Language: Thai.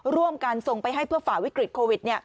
ร่วมกันส่งไปให้เพื่อฝ่าวิกฤตโควิด